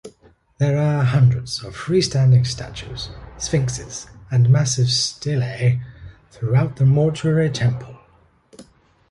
There are hundreds of freestanding statues, sphinxes, and massive stelae throughout the mortuary temple.